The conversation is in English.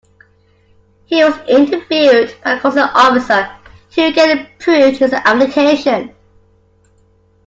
He was interviewed by a consular officer, who again approved his application.